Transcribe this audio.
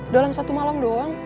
dalam satu malam doang